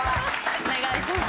お願いします。